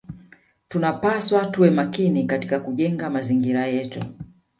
Tunapaswa tuwe makini katika kujenga mazingira yetu